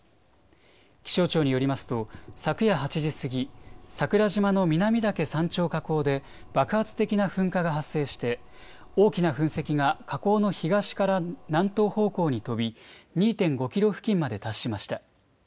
気象庁によりますと昨夜８時過ぎ、桜島の南岳山頂火口で爆発的な噴火が発生して大きな噴石が火口の東から南東方向に飛び２．５キロ付近まで達しました。